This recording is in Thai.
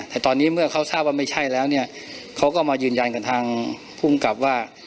แต่ตอนนี้เมื่อเขาทราบว่าไม่ใช่แล้วเนี่ยเขาก็มายืนยันกับทางภูมิกับว่า